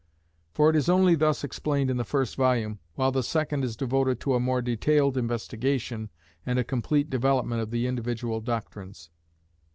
For it is only thus explained in the first volume, while the second is devoted to a more detailed investigation and a complete development of the individual doctrines.